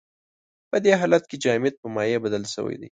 په دې حالت کې جامد په مایع بدل شوی دی.